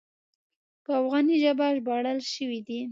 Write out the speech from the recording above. په افغاني ژبه ژباړل شوی دی.